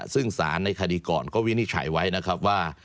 ซึ่งสารในคดีก่อนก็วินิจฉัยไว้นะครับว่า